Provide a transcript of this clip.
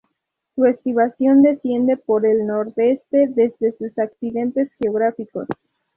Su estribación desciende por el nordeste desde sus accidentes geográficos.